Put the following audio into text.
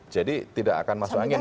jadi tidak akan masuk angin